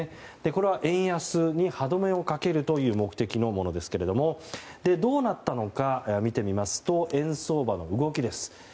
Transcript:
これは円安に歯止めをかけるという目的のものですがどうなったのか見てみますと円相場の動きです。